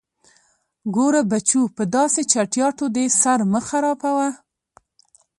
_ګوره بچو، په داسې چټياټو دې سر مه خرابوه.